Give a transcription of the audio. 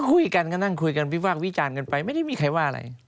คุยกันก็นั่งคุยกันวิพากษ์วิจารณ์กันไปไม่ได้มีใครว่าอะไร